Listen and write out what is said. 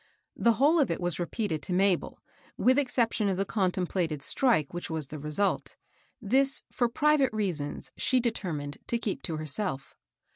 The whole of it was repeated to Mabel, with exception of the contemplated *' strike," which was the result This, for private reasons, she deter mined to keep to herself.